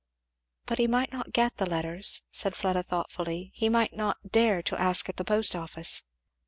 "But he might not get the letters," said Fleda thoughtfully, "he might not dare to ask at the post office."